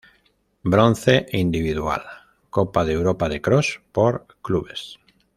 Bronce individual Copa de Europa de cross por clubes.